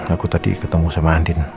aku tadi ketemu sama andin